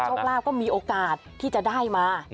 โชคลาภก็มีโอกาสที่จะได้มา